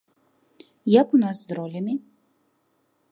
Як у нас з ролямі?